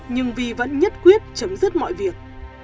nhưng vi vẫn nhất quyết chấm dứt mọi việc